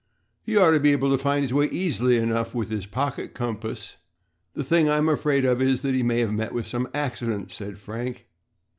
"He ought to be able to find his way easily enough with his pocket compass. The thing I'm afraid of is that he may have met with some accident," said Frank.